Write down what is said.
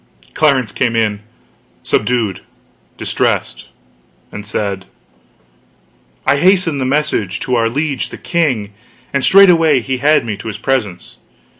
Clarence came in, subdued, distressed, and said: "I hasted the message to our liege the king, and straightway he had me to his presence.